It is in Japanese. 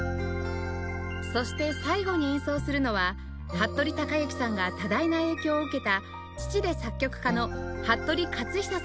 そして最後に演奏するのは服部之さんが多大な影響を受けた父で作曲家の服部克久さんの楽曲